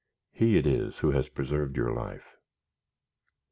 "He it is who has preserved your life."